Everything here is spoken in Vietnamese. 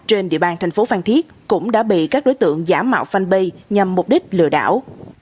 trên địa bàn thành phố phan thiết cũng đã bị các đối tượng giả mạo fanpage nhằm mục đích lừa đảo